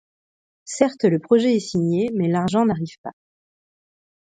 Certes le projet est signé mais l'argent n'arrive pas.